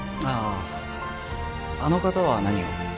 あああの方は何を？